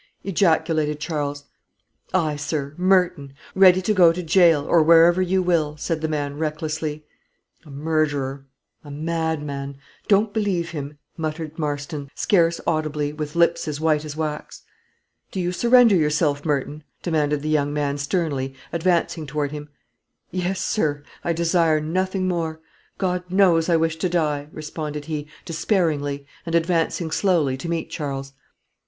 ejaculated Charles. "Aye, sir, Merton; ready to go to gaol, or wherever you will," said the man, recklessly. "A murderer; a madman; don't believe him," muttered Marston, scarce audibly, with lips as white as wax. "Do you surrender yourself, Merton?" demanded the young man, sternly, advancing toward him. "Yes, sir; I desire nothing more; God knows I wish to die," responded he, despairingly, and advancing slowly to meet Charles.